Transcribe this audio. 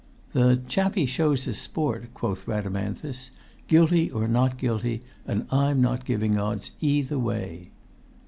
"The chappie shows us sport," quoth Rhadamanthus, "guilty or not guilty; and I'm not giving odds either way."